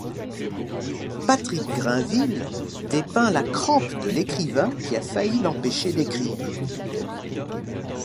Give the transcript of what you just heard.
Patrick Grainville dépeint la crampe de l’écrivain qui a failli l’empêcher d’écrire.